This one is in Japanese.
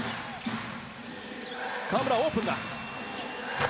河村、オープンだ。